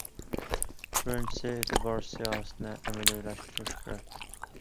بىرىنچىسى، ئېتىبار سىياسىتىنى ئەمەلىيلەشتۈرۈش كېرەك.